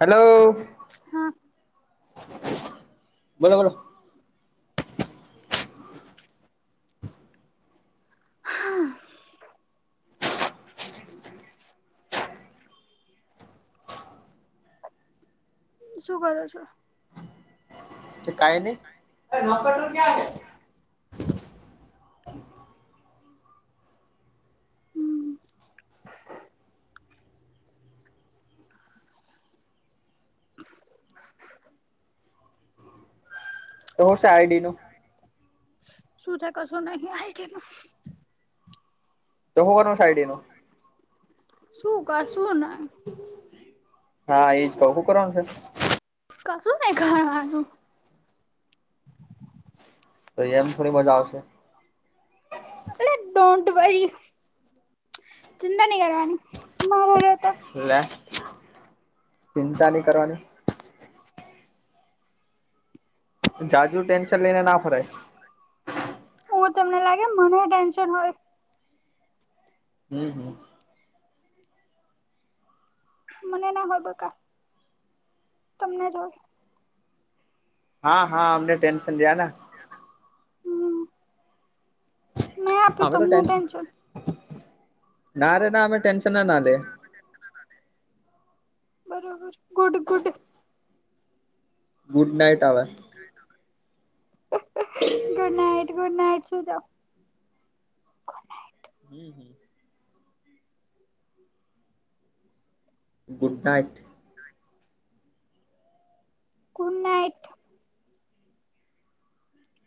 Hello, હા બોલો બોલો. શું કરો છો? કઈ નહી. હમ તો સાયડીનું.? શું છે કશું નહીં આયડી નુ હ. તો હોવાર સાઈડ એ નું.? શું ક, શું નહીં. હા, એજ કે, શું કરવાનું છે? કશું ને કરવાનું. તો એયામ થોડી મજા આવશે. ડોટ વરી ચિંતા નહીં કરવાની, મારે રહેતા. લે ચિંતા નહી કરવાની.? જાજુ ટેન્શન લઈને ના ફરાય. હું તમને લાગે મને ટેન્શન હોય.? હમ્મ હમ્મ મનેના હોય બકા તમને જોય. હા હા અમને ટેન્શન લેના. હમ મેં આપ્યું અમે તો તમને ટેન્શન ના રે ના અમે ટેન્શન ના ના લયે. [unintelligible] બરોબર ગુડ ગુડ ગુડનાઈટ હવે. ગુડ નાઈટ ગુડ નાઈટ સુુંઈ જાવ. હમ્મ ગુડનાઇટ. ગુડનાઈટ.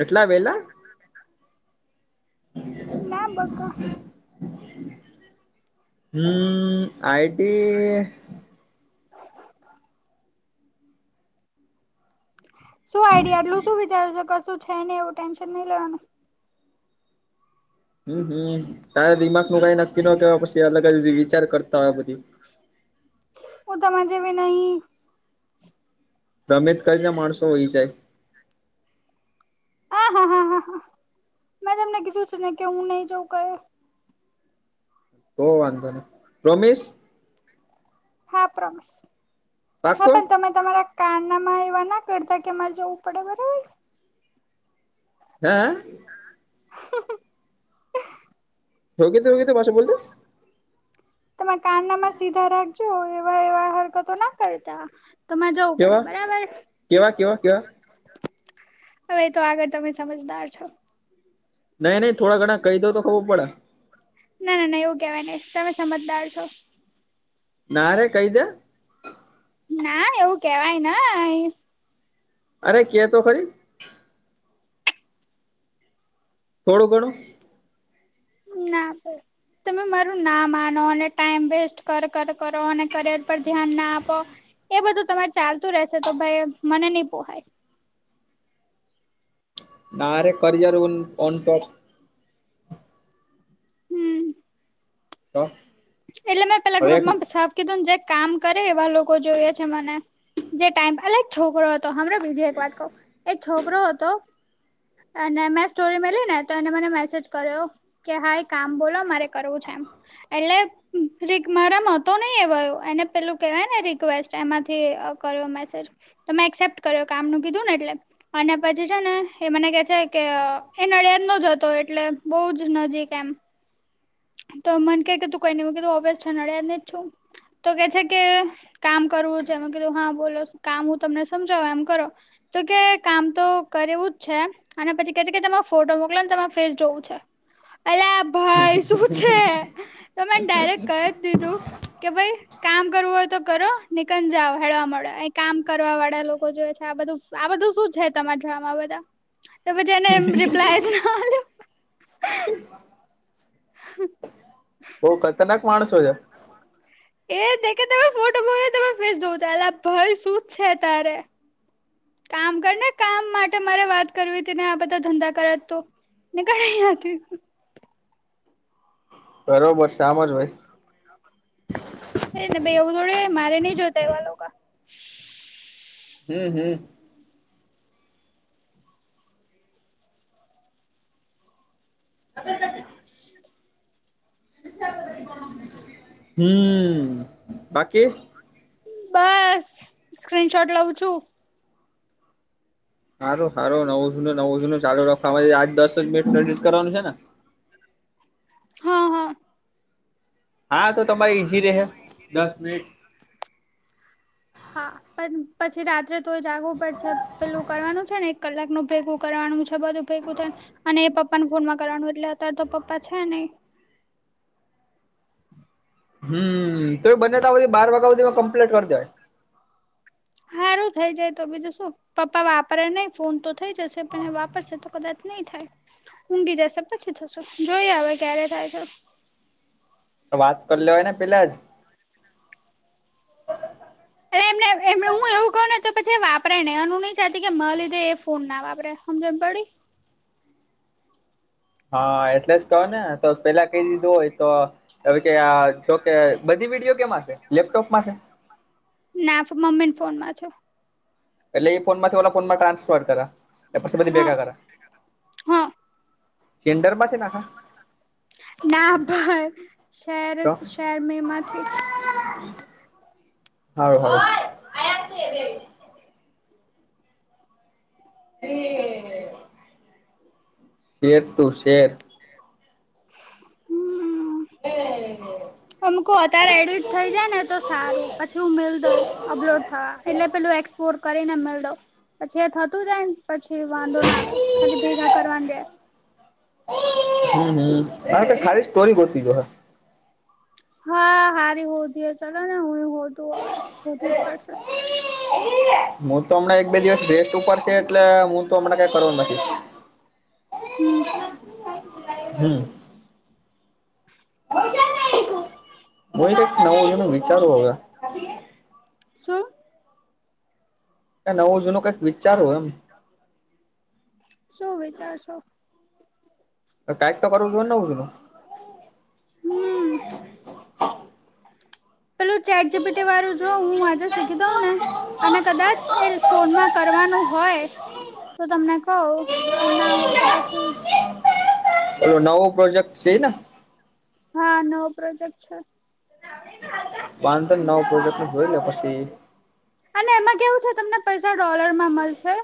એટલા વેલા? ના બકા. હમ્મ આઈટી શું આઈડિયા એટલું શું વિચાર છો? કશું છે નઈ એવું ટેન્શન નઈ લેવાનું. હમ્મ હમ્મ તારેા દિમાગ નું કઈ નક્કી ન કેવાય, પછી અલગ જ વિચાર કરતા હોય બધી. હુ તમાર જેવી નહીં. [unintelligible] ના માણસો હોય જાય હા હા હા હા હા મેં તમને કીધું છેું ને કે હું નહી જઉં કઈ. તો વાંધો નહી પ્રોમિસ. હા પ્રોમિસ. હા પાકુ? પણ તમે તમારા કાનનામાં એવા ના કરતા કેમારે જવું પડે બરોબર? હે હે? [unintelligible] હૂં કિધું હું કિધુ પાસો બોલતો? તમે કાનનામાં સીધા રાખજો, એવા એવા હરકતો ના કરતા. તોમાંરે જવું કેવા પડે બરાબર? કેવા કેવા કેવા હવે તો આગળ તમે સમજદાર છો.? નહી નહીં થોડા ઘણા કહી દો તો ખબર પડે.? ના ના ના એવું કેવાય નહી, તમે સમજદાર છોવ ના રે કઈદે? ના એવું કેવાય નહી. અરે કેતો ખરી? થોડું ઘણું ના બસ તમે મારું ના માનો અને ટાઈમ વેસ્ટ કર કર કરો, અને કરિયર પર ધ્યાન ના આપો. એ બધું તમારે ચાલતું રહેશે તો ભાઈ મને નઈ પોહાય. ના રે કરિયર ઓન ઓન ટોપ હમ [unintelligible] એટલે મેં પેલા એક ગ્રુપમા પછ કીધું જે કામ કરે એવા લોકો જોઈએ છે, મને જે ટાઈમ એટલે છોકરો તો હાભાળો બીજી એક વાત કઉ, એક છોકરો હતો અને મેં સ્ટોરી મેલી ને તો એને મને મેસેજ કર્યો. કે હા એ કામ બોલો મારે કરવું છે એમ, એટલે મારામાંતો નહી એવાયો એને પેલું કેવાય, ને રિક્વેસ્ટ એમાંથી કર્યો મેસેજ તમે એક્સેપ્ટ કર્યો કામ નું કીધું ને એટલે અને પછી છે ને એ મને કે છે, કે એના યાદ ન જતો એટલે બહુ જ નજીક એમ તો મન કે કે તું કઈને અભસ છ નડિયાદ ને જ છું. તો કે છે કે કામ કરવું છે, એમાં કીધું હા બોલો કામ હું તમને સમજાવ એમ કરો, તો કે કામ તો કરેવું જ છે. અને પછી કે છે કે તમારે ફોટો મોકલેને તમારે ફેસ જોવું છે. એટલે, હ, છે તો મેં ડાયરેક્ટ ક જ દીધું કે ભાઈ, કામ કરવું હોય તો કરો નનીકન જાઓ, હેળવા મળે એ કામ કરવા વાળા લોકો જોવે છે આ બધું આ બધું શું છે તમા ડ્રામા બધા તો પછી એને રિપ્લાય જ ના આલ્યો હ, બહુ ખતરનાક માણસો છે. એ કે તમે ફોટો મોકલ તમારી ફેસ જોવુ છે ચલે ભાય શું જ છે તારે. કામ કર ને કામ માટે મારે વાત કરવી હતી, ને આ બધા ધંધા કર તું. નીકળ અહિયાં થી. બરોબર આમ જ હોય. ને ભાઈ એવું થોડે મારે નઈ જોતા એવા લોકો. હમ્મ હમ્મ. અ [unintelligible] હમ્મ બાકી બસ સ્ક્રીનશોટ લઉ છું. સારું સારું નવું જૂનું નવું જૂનું ચાલુ રાખવાવામાં, આજ દસ જ મિનિટ એડિટ કરવાનું છે ને. હા હા. હા તો તમારે ઈઝી રહે દસ મિનિટ. હા પણ પછી રાત્રે તો એ જાગવું પડશે પેલું કરવાનું છે ને એક કલાક નું ભેગું કરવાનું છે બધું ભેગું થાય. અને એ પપ્પા ન ફોનમાં કરવાનું એટલે અત્યારે તો પપ્પા છે નઇ. હમ્મ તો બંને તો બધી બાર વાગ્યા સુધી કમ્પ્લીટ કરી દેવાય. સારું થઈ જાય તો બીજું શું પપ્પા વાપરે નહી ફોન તો થઈ જશે, પણ એ વાપરશે તો કદાચ નહી થાય, ઊંઘી જશે પછી થશું જોઈ હવે ક્યારે થાય છે. વાત કર લેવાય ને પેલાં જ એટલે એમને એમ હું એવું કું ને તો પછી વાપરે ને એનું નહી ચાતી કે મા લીધે એ ફોન ના વાપરે સમજમ પડી. હા એટલે જ કહો ને તો પેલા કઈ દીધું હોય તો, હવે કે આ જોકે બધી વિડીયો કેમશે લેપટોપમાં છે. ના મમ્મી ને ફોન માં છે. એટલે એ ફોન માંથી ઓ ફોનમાં ટ્રાન્સફર કરા એ પછી બધી હા ભેગા કરા, હા કિન્ડરમાં છે નાખ, ના ભાઈ શહેર તો શહેર મેમાંથી. હારુ હારુ, હ હ હોય અહીંયા મુકદ્દે, અરરરે, એર ટુ શેમ, એ, એમ કહું અત્યારે એડિટ થઇ જાય ને તો સારું પછી હું મિલ દઉં. અપલોડ થયા એટલે પેલું એક્સપોર્ટ કરી ને મેળી દો પછી એ થતું જાયને પછી વાંધો ના આવે ખાલી ભેગા કરવાની રહે, હમ હા તો ખારી સ્ટોરી બોતી જો હોય. હા સારી હોધી હ ચલો ને હું હોતું હવે હોધું જ પડશે. હું તો હમણાં એક બે દિવસ રેસ્ટ ઉપર છે એટલે હું તો હમણાં કઈ કરવા નથી. હમ હમ. હુઈ કઇક નવુ જુનુ વિચારું હવ. સુું? કાઇ નવુ જૂનો કઈક વિચારુ હ એમ, શું વિચારશો? કઈક તો કરું જોઈ ને નવું જુનુ. હમ, પેલું ચેક જીપીટી વાળું જો હું આજે શીખી દઉં ને, અને કદાચ એ ફોનમાં કરવાનું હોય. તો તમને કહું ના હોય તો પછી. ઓલો નવો પ્રોજેક્ટ છે ને ઈ ન, હા નવો પ્રોજેક્ટ છે. બાધર નવો પ્રોજેક્ટ ન હોય ને પછી. અને એમાં કેવું છે તમને પૈસા ડોલર માં મળશે.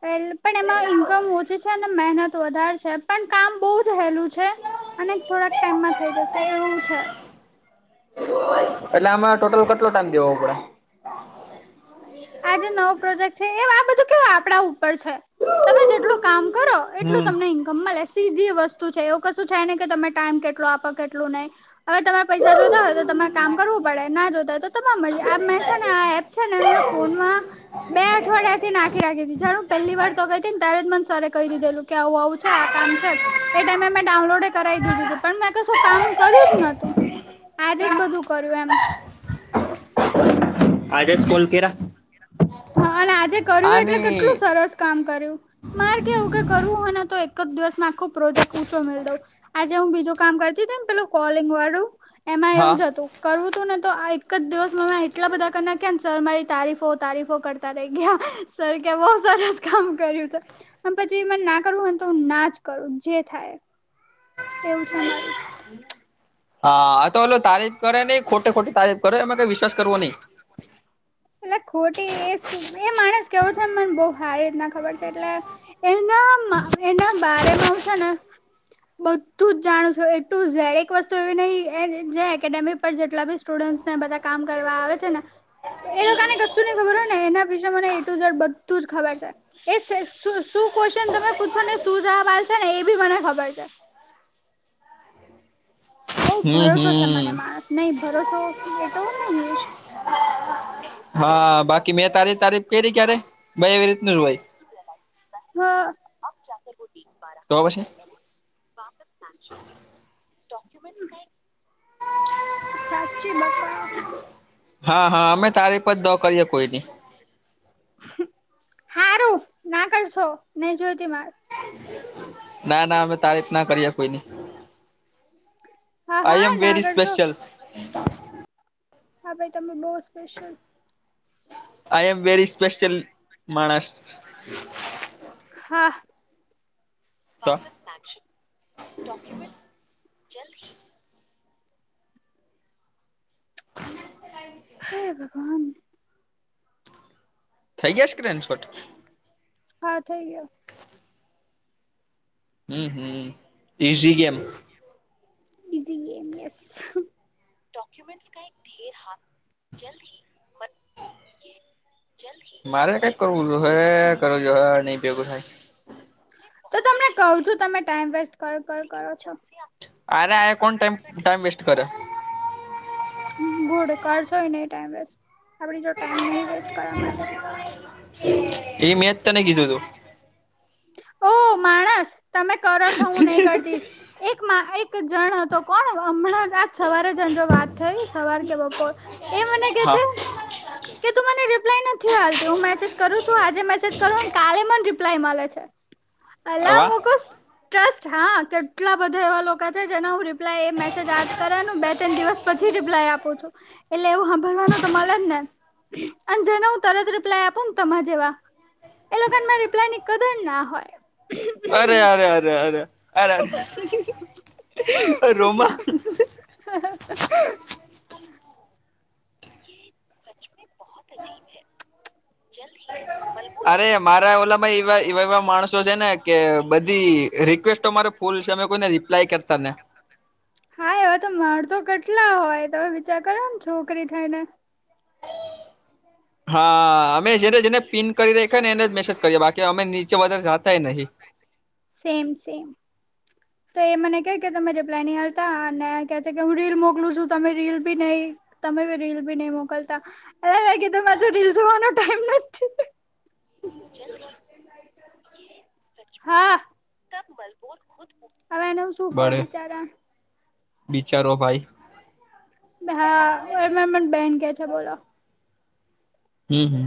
પ પણ એમાં ઈન્કમ ઓછી છે મહેનત વધારે છે પણ કામ બહુ હેલું છે. અને થોડાક ટાઈમમાં થઇ જશે એવું છે. એટલે આમાં ટોટલ કેટલો ટાઈમ દેવો પડે. આજ નવો પ્રોજેક્ટ છે એ આ બધું કેવ આપડા ઉપર છે. તમે જેટલું કામ કરો એટલું હમ તમને ઇન્ કમ મલે સીધી વસ્તુ છે એવું કશું છે ને કે તમે ટાઈમ કેટલો આપો કેટલું નહીં. હવે તમારે પૈસા જોતા હોય તો તમારે કામ કરવું પડે ના જોતા હોય તો તમા મરજી આ મેં છે ને આ એપ, છે ને મૈ ફોનમાં, બે અઠવાડિયા થી નાખી રાખી જાર પહેલી વાર તો ગઈ હતી ને ત્યારે જ મને સરે કહી દીધેલું. કે આવું આવું છે, આ કામ છે. એ ટાઈમે મેં ડાઉનલોડે કરાવી દીધી હતી પણ મેં કશું કામ કર્યું જ નતું. આજે જ બધું કર્યું એમ. આજે જ કોલ કેરા, હા અને આજે કર્યું એટલે આની કેટલું સરસ કામ કર્યું. મારે કેવું કે કરવું હોય ને તો એક જ દિવસમાં આખો પ્રોજેક્ટઊંચો મે દઉ. આજે હું બીજું કામ કરતી એમ પે કોલિંગ વાળું, એ હા. કરવું તું ને તો એક જ દિવસ એટલા બધા કર ના કે ને સર મારી તારીફો તારીફો કરતા રહી ગયા, સર કે્યા બહ સરસ કામ કર્યું છે. પછીને ના કરવું હોને તો હ ના જ કરું જે થાય. એવું છે મારું. હા તો એેલો તારીફ કરે નહ ખોટે ખોટી તારીફ કરે એમાં કઈ વિશ્વાસ કરવો નહી. એટલે ખોટી એ એ માણસ કેવો છે મને બહ સારી રીતના ખબર છે એટલે. એના એના બારે મામાં હું છે ને. બધું જ જાણું છું એટલું જ એક વસ્તુ એવી નહી જે એકેડેમી પર જેટલા બી સ્ટુડ ને બધા કામ કરવા આવે છે ને. એ લોકોને કશું નઈ ખબર હોય ને એના વિશેે મને એટુઝડ બધું જ ખબર છે. એ શું ક્વેશ્ચન તમે પૂછોને શું સવાલ છે ને એ બી મને ખબર છે. બઉ હમ ભરોસો છે હમ મને માણસ નહી ભરોસો એ તોવ નને. હા બાકી મેં તારી તારી કરી ક્યારે ભાઈ એવી રીતનું ભાઈ. હા. તો પાશે. ડોક્યુમેન્ટ ક [unintelligible] સાચી બકા. હા હા અમે તારી પણ જ દો કરીએ કોઈ નની. સારું ના કરશો નહી જોઈતી મારે. ના ના અમે તારીફ ના કરીએ કોઈની. હા આઈ એમ હા ના વેરી કરશો સ્પેશલ. હા, ભાઈ તમે બહુ special I am very special માણસ. હા. તો જલ્દ હી [unintelligible] [inaudible] હે ભગવાન. થઈ ગયા સ્ક્રેન શોર્ટ? હા થઈ ગયો. Hmm hmm easy game. Easy game yes. Documents ક એક ઢેર હાથ જલ્દ હ મત યે [unintelligible] મારે કઈક કરવું જો હે કરવું જોહે નઈ ભેગું થાય. તો તમને કહું છું તમે ટાઈમ વેસ્ટ કર કર કરો છો. તો તમને કહું છું તમે ટાઈમ વેસ્ટ કર કર કરો છો. ગુડ કરશોઈ નહી ટાઈમ વેસ્ટ, આપડી જોડ ટાઈમ નહી વેસ્ટ કરવા માટે એ મેં જ તને કીધું તું. ઓ માણસ તમે કરો છો હું નહી કરતી. એક માં એક જણ હતો, કોણ હમણાં આજ સવારે જંજો વાત થઈ સવાર કે બપોર. એ મને કે હા છે, કે તું મને રિપ્લાય નથી આલતી હું મેસેજ કરું છું આજે મેસેજ કરું કાલે મન રિપ્લાય મલે છે. અલા વાહ મુકુસ ટ્રસ્ટ હા, કેટલા બધા એવા લોકો છે જેનો હું રિપ્લાય એ મેસેજ આજ કરેન બે તણ દિવસ પછી રિપ્લાય આપું છું, એટલે એવું હાંભરવાનું તો મલેજ ને. અને જેને હું તરત રિપ્લાય આપું ને તમાર જેવા એ લોકોન માર રિપ્લાય ની કદર ના હોય. અરે અરે અરે અરે અરે! રોમા. [inaudible] યે સચમે બહોત અજીબ હે. જલ્દહિ અરે બલબૂરમેં [inaudible] મારા ઓલામાં એવા એવા એવા માણસો બોહોત અજાબ હે. તો મારે ફોલ સામે કોઈને રિપ્લાય કરતા ને હા, એવા તો મારતો કેટલા હોય, તમે વિચાર કરો ને છોકરી થઈ ને. હા, અમે જેને- જેને પિન કરી રાયખા ને એને જ મેસેજ કરીએ બાકી અમે નીચે વધારે જાતાય નહી. Same same. તો એ મને કેય કે તમે રિપ્લાય નહીં આલતા આ ને કે છે કે હું રીલ મોકલું છું તમે રીલ બી નય. તમે બી રીલ ભી નહી મોકલતા. અરે, મેં કીધું મેં તો રીલ જોવાનો ટાઈમ નથી. [inaudible] હા હવે એને હું શું કવ મળે બિચારા બિચારો ભાઈ. અબે હા, ઓયમા મન બેન કે છે બોલો. હમમ હમમ.